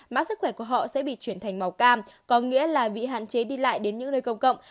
mã sức khỏe của họ sẽ bị chuyển thành màu cam có nghĩa là bị hạn chế đi lại đến những nơi công cộng